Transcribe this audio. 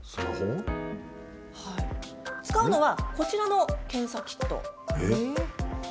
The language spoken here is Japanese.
使うのはこちらの検査キット。